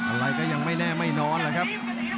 อะไรก็ยังไม่แน่ไม่นอนแหละครับ